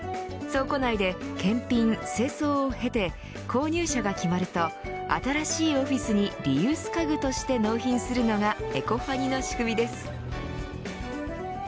倉庫内で検品、清掃を経て購入者が決まると新しいオフィスにリユース家具として納品するのがエコファニの仕組みです。